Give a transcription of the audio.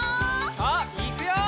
さあいくよ！